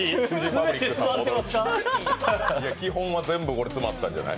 基本は全部、詰まったんじゃない？